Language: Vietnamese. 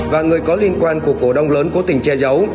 và người có liên quan của cổ đông lớn cố tình che giấu